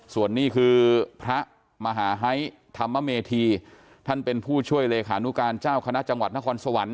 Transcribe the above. ส่วนนี้คือพระมหาไฮธรรมเมธีท่านเป็นผู้ช่วยเลขานุการเจ้าคณะจังหวัดนครสวรรค์